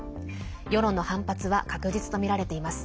世論の反発は確実とみられています。